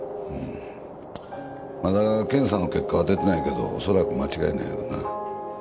まだ検査の結果が出てないけどおそらく間違いないやろな